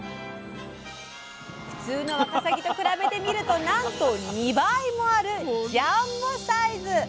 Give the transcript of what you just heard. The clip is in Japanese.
普通のわかさぎと比べてみるとなんと２倍もあるジャンボサイズ！